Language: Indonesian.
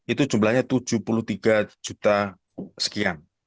itu jumlahnya tujuh puluh tiga juta sekian